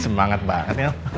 semangat banget niel